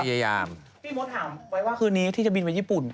พี่มดถามไว้ว่าคืนนี้ที่จะบินไปญี่ปุ่น